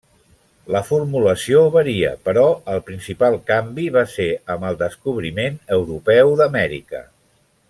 La formulació varia però el principal canvi va ser amb el descobriment europeu d'Amèrica.